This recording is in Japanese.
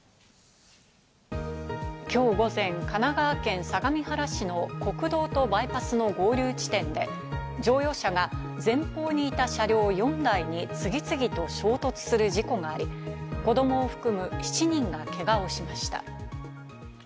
今日午前、神奈川県相模原市の国道とバイパスの合流地点で乗用車が前方にいた車両４台に次々と衝突する事故があり、子供を含む７人がけがをしました。